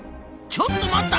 ちょっと待った！